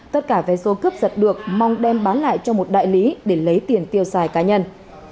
tất cả vé số cướp giật được mong đem bán lại cho một đại lý để lấy tiền tiêu xài cá nhân